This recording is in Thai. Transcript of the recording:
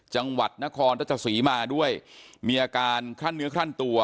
จังหวัดนครราชสีมาด้วยมีอาการคลั่นเนื้อคลั่นตัว